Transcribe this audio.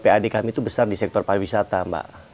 pad kami itu besar di sektor pariwisata mbak